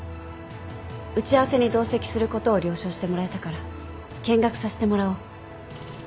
打ち合わせに同席することを了承してもらえたから見学させてもらおう。